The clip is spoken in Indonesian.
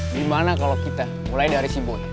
gimana kalau kita mulai dari si boy